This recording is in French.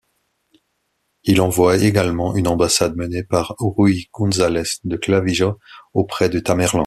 Il envoie également une ambassade menée par Ruy Gonzáles de Clavijo auprès de Tamerlan.